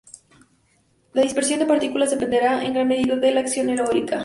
La dispersión de partículas dependerá en gran medida de la acción eólica.